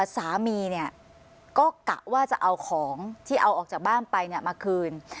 สามีก็กะว่าจะเอาของที่เอาออกจากบ้านไปมาคืน